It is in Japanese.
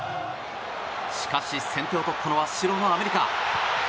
しかし先手を取ったのは白のアメリカ。